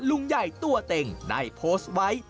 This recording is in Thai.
ลุงไยตัวเต็งได้โพส์ไว้